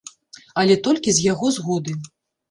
Але толькі з яго згоды.